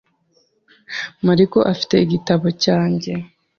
Mariko afite igitabo cyanjye .